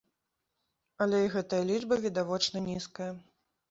Але і гэтая лічба відавочна нізкая.